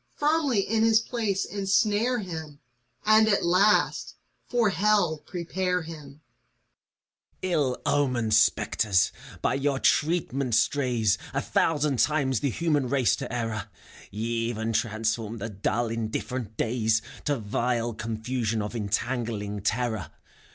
Firmly in his place insnare him And, at last, for Hell prepare him I FAUST. Ill omened spectres! By your treatment strays A thousand times the human race to error : Ye even transform the dull, indifferent days To vile confusion of entangling terror.